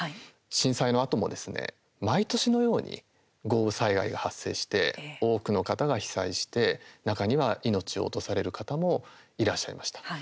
震災のあともですね毎年のように豪雨災害が発生して多くの方が被災して中には命を落とされる方もいらっしゃいました。